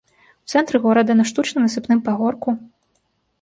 У цэнтры горада, на штучным насыпным пагорку.